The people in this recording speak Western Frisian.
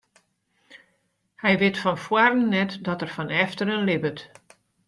Hy wit fan foaren net dat er fan efteren libbet.